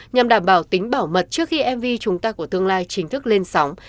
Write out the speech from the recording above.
nhằm đảm bảo tính bảo mật trước khi mv chúng ta của tương lai chính thức lên sóng